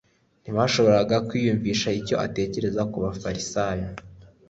ntibashoboraga kwiyumvisha icyo atekereza ku bafarisayo;